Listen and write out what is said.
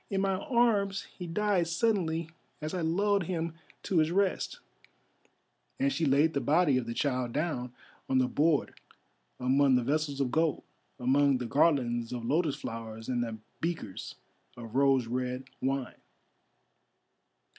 In my arms he died suddenly as I lulled him to his rest," and she laid the body of the child down on the board among the vessels of gold, among the garlands of lotus flowers and the beakers of rose red wine.